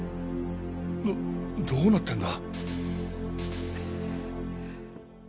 どどうなってんだ。